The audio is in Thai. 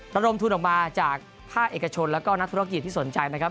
ระดมทุนออกมาจากภาคเอกชนแล้วก็นักธุรกิจที่สนใจนะครับ